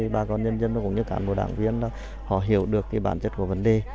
bà con nhân dân cũng như cán bộ đảng viên họ hiểu được bản chất của vấn đề